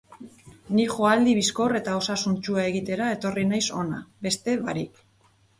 Ni joaldi bizkor eta osasuntsua egitera etorri naiz hona, beste barik.